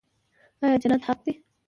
آیا جنت حق دی؟